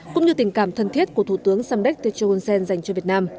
cũng như tình cảm thân thiết của thủ tướng samdech techo hun sen dành cho việt nam